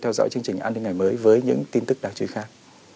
theo dõi chương trình an ninh ngày mới với những tin tức đặc truyền khác